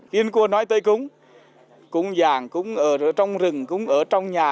kiên cua nói tới cúng cúng giảng cúng ở trong rừng cúng ở trong nhà